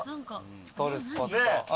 撮るスポット。